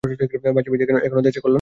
বাঁশী বাজিয়ে এখন আর দেশের কল্যাণ হবে না।